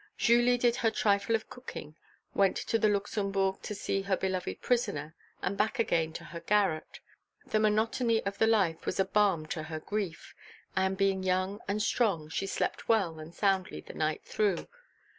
Julie did her trifle of cooking, went to the Luxembourg to see her beloved prisoner and back again to her garret; the monotony of the life was a balm to her grief, and, being young and strong, she slept well and soundly the night through.